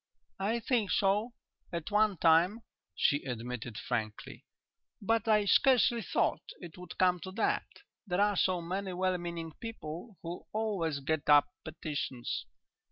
"I think so, at one time," she admitted frankly. "But I scarcely thought it would come to that. There are so many well meaning people who always get up petitions....